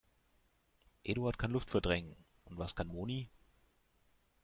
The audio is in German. Eduard kann Luft verdrängen. Und was kann Moni?